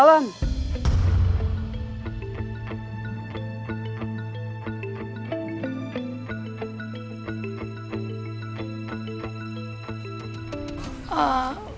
ibu ini indah